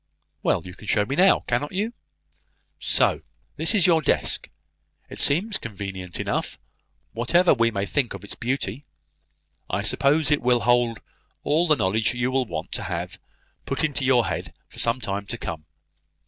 "Well, you can show me now, cannot you? So, this is your desk! It seems convenient enough, whatever we may think of its beauty. I suppose it will hold all the knowledge you will want to have put into your head for some time to come.